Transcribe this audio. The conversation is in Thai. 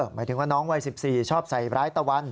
หมายถึงว่าน้องวัย๑๔ชอบใส่ร้ายตะวัน